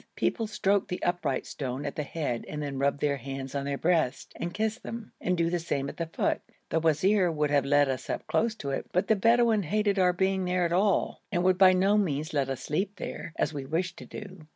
People stroke the upright stone at the head and then rub their hands on their breast and kiss them, and do the same at the foot. The wazir would have led us up close to it; but the Bedouin hated our being there at all, and would by no means let us sleep there, as we wished to do.